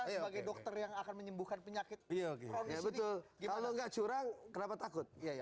sebagai dokter yang akan menyembuhkan penyakit iya betul kalau nggak curang kenapa takut ya